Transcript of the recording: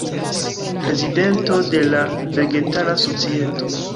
Prezidento de la Vegetara Societo.